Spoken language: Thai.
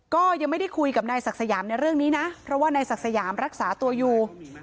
ก็ยังไม่ได้คุยกับนายศักดิ์สยามในเรื่องนี้นะเพราะว่านายศักดิ์สยามรักษาตัวอยู่